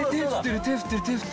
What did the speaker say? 手振ってる！